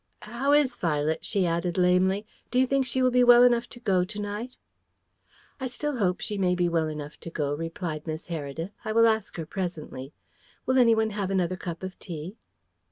"How is Violet?" she added lamely. "Do you think she will be well enough to go to night?" "I still hope she may be well enough to go," replied Miss Heredith. "I will ask her presently. Will anyone have another cup of tea?"